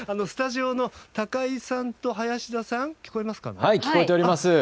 スタジオの高井さんと林田さん聞こえますか。